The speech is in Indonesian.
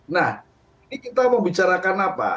nah ini kita membicarakan apa